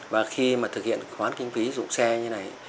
và khi mà thực hiện khoán kinh phí dụng xe như này